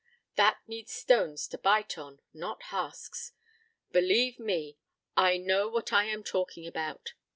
That needs stones to bite on, not husks. ... Believe me, I know what I am talking about.